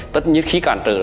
tất nhiên khi cản trở